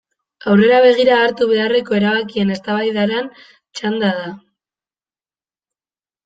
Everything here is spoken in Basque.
Aurrera begira hartu beharreko erabakien eztabaidaran txanda da.